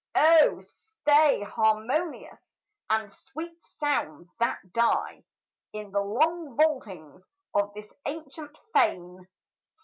Oh, stay, harmonious and sweet sounds, that die In the long vaultings of this ancient fane!